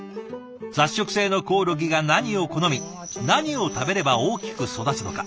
雑食性のコオロギが何を好み何を食べれば大きく育つのか。